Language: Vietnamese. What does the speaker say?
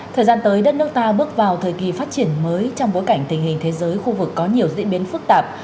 thời gian tới đất nước ta bước vào thời kỳ phát triển mới trong bối cảnh tình hình thế giới khu vực có nhiều diễn biến phức tạp